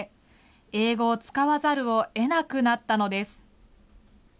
英語を使わざるをえなくなったのです。